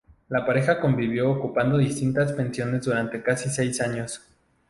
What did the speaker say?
La pareja convivió ocupando distintas pensiones durante casi seis años.